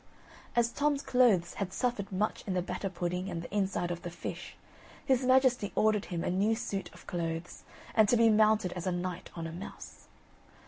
As Tom's clothes had suffered much in the batter pudding, and the inside of the fish, his majesty ordered him a new suit of clothes, and to be mounted as a knight on a mouse.